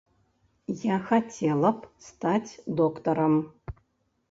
Я хацела б стаць доктарам.